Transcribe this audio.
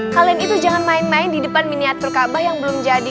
kalian itu jangan main main di depan miniatur kaabah yang belum jadi